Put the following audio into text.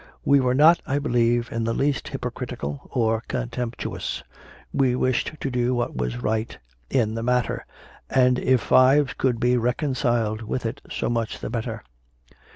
We were not, I believe, in the least hypocritical or contemptuous; we wished to do what was right in the matter; and if fives could be reconciled with it, so much the better.